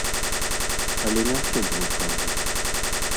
Але не ўсё было праўдай.